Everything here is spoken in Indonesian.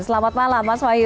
selamat malam mas wahyu